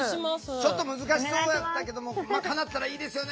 ちょっと難しそうやったけどもかなったらいいですよね。